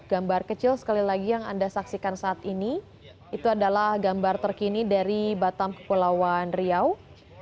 gambar kecil sekali lagi yang anda saksikan saat ini itu adalah gambar terkini dari bandara internasional hang nadiem batam kepulauan riau sama sekali ini